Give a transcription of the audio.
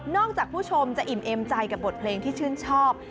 จากผู้ชมจะอิ่มเอ็มใจกับบทเพลงที่ชื่นชอบ